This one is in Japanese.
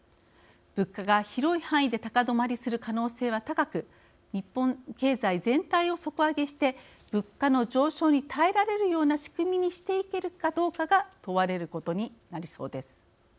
物価が広い範囲で高止まりする可能性は高く日本経済全体を底上げして物価の上昇に耐えられるような仕組みにしていけるかどうかが問われることになりそうです。